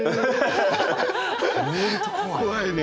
怖いね。